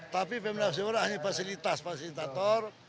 tapi pemda seorang ini fasilitas fasilitator